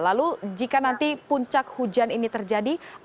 lalu jika nanti puncak hujan ini terjadi